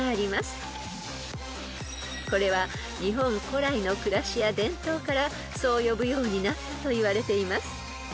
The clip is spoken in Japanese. ［これは日本古来の暮らしや伝統からそう呼ぶようになったといわれています］